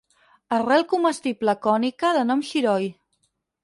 Arrel comestible cònica de nom xiroi.